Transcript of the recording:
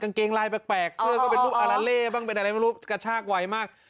กางเกงลายแปลกเสื้อก็เป็นรูปอลาเลบ้างเป็นรูปกระชากไวมาก